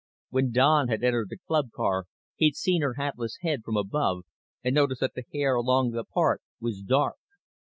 When Don had entered the club car he'd seen her hatless head from above and noticed that the hair along the part was dark.